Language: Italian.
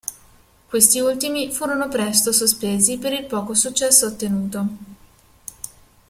Questi ultimi furono presto sospesi per il poco successo ottenuto.